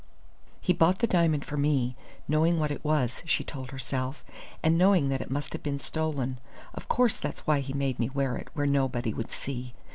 "He bought the diamond for me, knowing what it was," she told herself, "and knowing that it must have been stolen. Of course that's why he made me wear it where nobody could see.